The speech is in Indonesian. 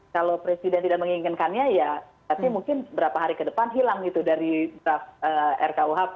kalau presiden tidak menginginkannya ya berarti mungkin beberapa hari ke depan hilang itu dari draft rku hp